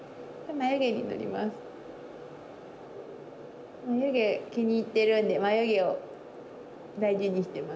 まゆ毛気に入ってるんでまゆ毛を大事にしてます。